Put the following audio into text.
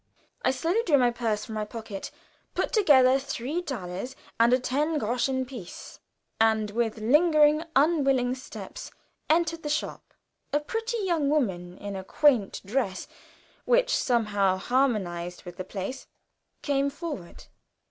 I slowly drew my purse from my pocket, put together three thalers and a ten groschen piece, and with lingering, unwilling steps, entered the shop. A pretty young woman in a quaint dress, which somehow harmonized with the place, came forward.